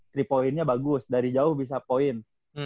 jadi poinnya bagus dari jauh bisa poin